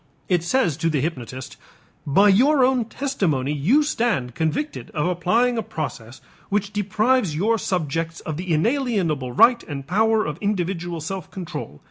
It says to the hypnotist: "By your own testimony, you stand convicted of applying a process which deprives your subjects of the inalienable right and power of individual self control.